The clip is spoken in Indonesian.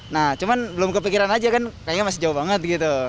nah cuman belum kepikiran aja kan kayaknya masih jauh banget gitu